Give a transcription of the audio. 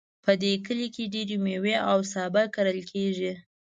په دې کلي کې ډیری میوې او سابه کرل کیږي